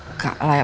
enggak lah ya